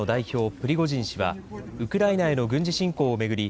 プリゴジン氏はウクライナへの軍事侵攻を巡り